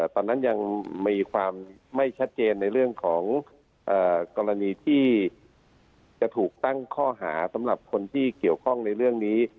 ตอนนั้นยังมีความไม่ชัดเจนในเรื่องของกรณีที่จะถูกตั้งข้อหาสำหรับคนที่เกี่ยวข้องในเรื่องนี้